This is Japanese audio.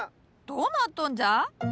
どうなっとんじゃ？